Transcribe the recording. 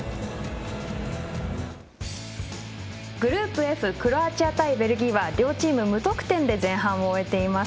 グループＦクロアチア対ベルギーは両チーム、無得点で前半を終えています。